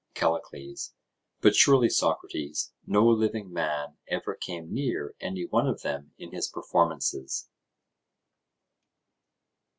CALLICLES: But surely, Socrates, no living man ever came near any one of them in his performances.